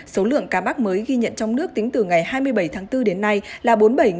số lượng ca mắc mới ghi nhận trong nước tính từ ngày hai mươi bảy tháng bốn đến nay là bốn mươi bảy ca